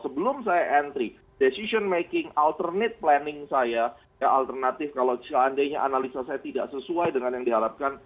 sebelum saya entry decision making alternate planning saya alternatif kalau seandainya analisa saya tidak sesuai dengan yang diharapkan